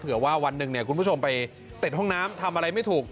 ว่าวันหนึ่งเนี่ยคุณผู้ชมไปติดห้องน้ำทำอะไรไม่ถูก